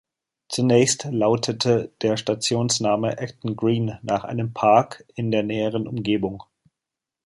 Zunächst lautete der Stationsname "Acton Green", nach einem Park in der näheren Umgebung.